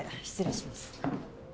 失礼します